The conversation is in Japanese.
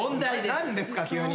何ですか急に。